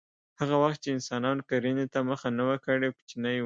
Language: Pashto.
هغه وخت چې انسانانو کرنې ته مخه نه وه کړې کوچني وو